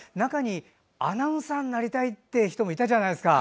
アナウンサーになりたいって人も板じゃないですか。